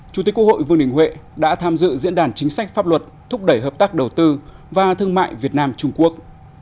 chủ tịch quốc hội vương đình huệ đã tham dự diễn đàn chính sách pháp luật thúc đẩy hợp tác đầu tư và thương mại việt nam trung quốc